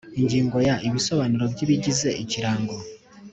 Ingingo ya Ibisobanuro by ibigize ikirango